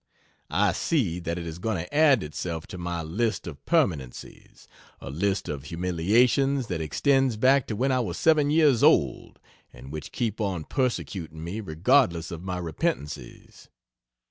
I see that it is going to add itself to my list of permanencies a list of humiliations that extends back to when I was seven years old, and which keep on persecuting me regardless of my repentancies.